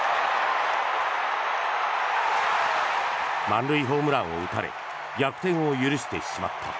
満塁ホームランを打たれ逆転を許してしまった。